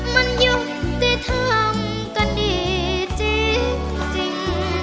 มันยังได้ทำกันดีจริง